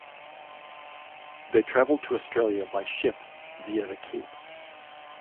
They travelled to Australia by ship, via the Cape.